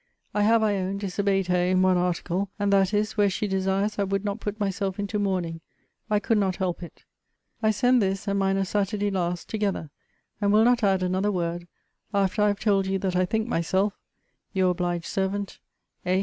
I have, I own, disobeyed her in one article; and that is, where she desires I would not put myself into mourning. I could not help it. I send this and mine of Saturday last together; and will not add another word, after I have told you that I think myself Your obliged servant, A.